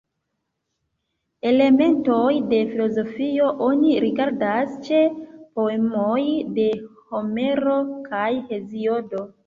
Elementoj de filozofio oni rigardas ĉe poemoj de Homero kaj Heziodo.